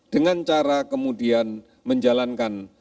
dengan cara kemudian menjalankan